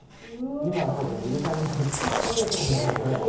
今は多分許されない感じですよね。